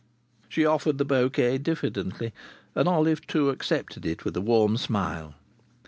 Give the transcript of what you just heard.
She offered the bouquet diffidently, and Olive Two accepted it with a warm smile.